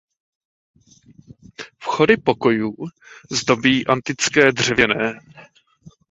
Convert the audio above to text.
Vchody pokojů zdobí antické dřevěné.